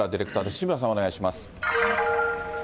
西村さん、お願いします。